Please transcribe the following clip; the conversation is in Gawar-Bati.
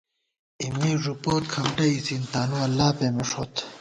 اېمےݫُپوت کھمٹہ اِڅِن ، تانواللہ پېمېݭوت